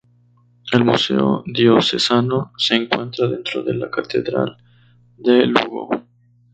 El museo Diocesano se encuentra dentro de la Catedral de Lugo.